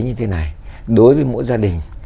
như thế này đối với mỗi gia đình